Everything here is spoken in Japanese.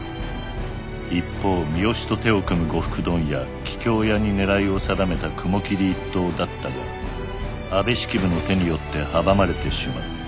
一方三好と手を組む呉服問屋桔梗屋に狙いを定めた雲霧一党だったが安部式部の手によって阻まれてしまう。